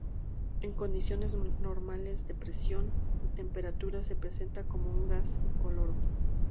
En condiciones normales de presión y temperatura se presenta como un gas incoloro.